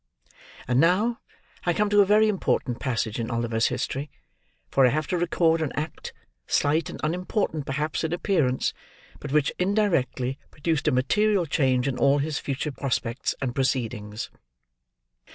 And now, I come to a very important passage in Oliver's history; for I have to record an act, slight and unimportant perhaps in appearance, but which indirectly produced a material change in all his future prospects and proceedings.